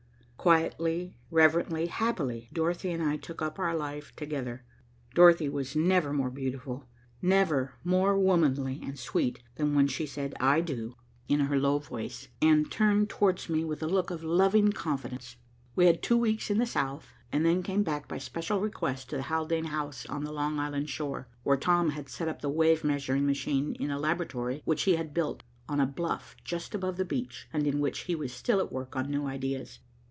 Quietly, reverently, happily, Dorothy and I took up our life together. Dorothy was never more beautiful, never more womanly and sweet than when she said "I do" in her low voice, and turned towards me with a look of loving confidence. We had two weeks in the South, and then came back by special request to the Haldane house on the Long Island shore, where Tom had set up the wave measuring machine in a laboratory which he had built on a bluff just above the beach and in which he was still at work on new ideas.